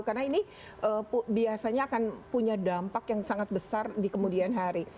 karena ini biasanya akan punya dampak yang sangat besar di kemudian hari